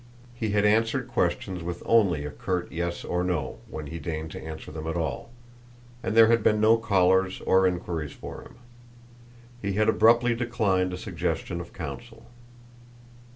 He had answered questions with only a curt yes or no when he deigned to answer them at all; and there had been no callers or inquiries for him. He had abruptly declined a suggestion of counsel.